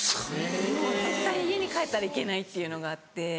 もう絶対家に帰ったらいけないっていうのがあって。